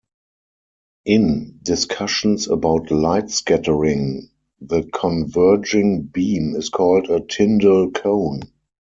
In discussions about light scattering, the converging beam is called a "Tyndall cone".